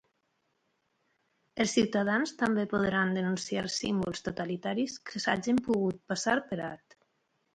Els ciutadans també podran denunciar símbols totalitaris que s'hagin pogut passar per alt.